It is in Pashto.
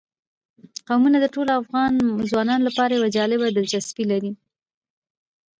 قومونه د ټولو افغان ځوانانو لپاره یوه جالبه دلچسپي لري.